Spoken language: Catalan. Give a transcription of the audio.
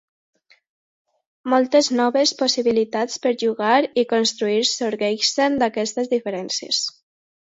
Moltes noves possibilitats per jugar i construir sorgeixen d'aquestes diferències.